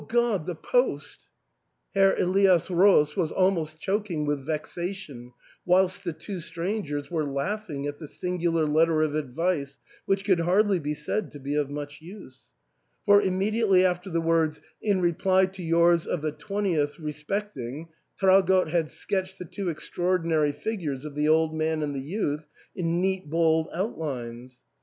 Grod ! the post !" Herr Elias Roos was almost chok ing with vexation, whilst the two strangers were laugh ing at the singular letter of advice, which could hardly be said to be of much use. For, immediately after the words, " In reply to yours of the 20th inst. respecting " Traugott had sketched the two extraordinary figures of the old man and the youth in neat bold out lines.